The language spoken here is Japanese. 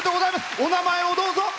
お名前をどうぞ。